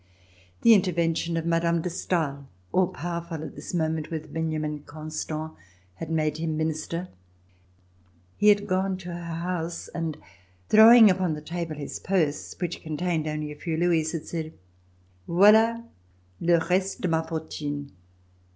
The intervention of Mme. de Stael, all powerful at this moment with Benjamin Constant, had made him Minister. He had gone to her house and throwing upon the table his purse which contained only a few louis had said: "Voila le reste de ma fortune!